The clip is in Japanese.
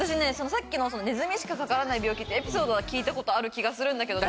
さっきのネズミしかかからない病気ってエピソードは聞いたことある気がするんだけど。